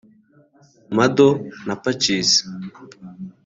Mado na Pacis